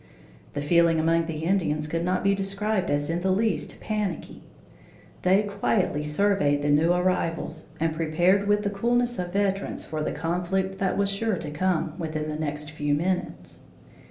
The feeling among the Indians could not be described as in the least "panicky." They quietly surveyed the new arrivals and prepared with the coolness of veterans for the conflict that was sure to come, within the next few minutes.